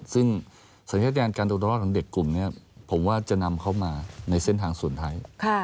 ซึ่งสังเกตการณ์การตกลอดรอดของเด็กกลุ่มเนี่ยผมว่าจะนำเขามาในเส้นทางส่วนท้าย